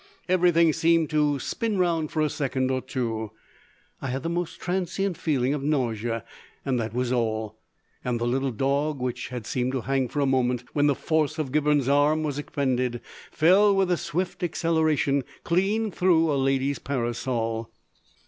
Everything seemed to spin round for a second or two, I had the most transient feeling of nausea, and that was all. And the little dog which had seemed to hang for a moment when the force of Gibberne's arm was expended fell with a swift acceleration clean through a lady's parasol!